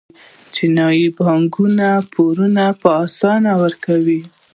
چینايي بانکونه پورونه په اسانۍ ورکوي.